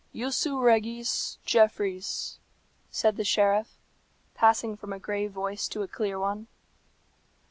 "Jussu regis, Jeffreys," said the sheriff, passing from a grave voice to a clear one.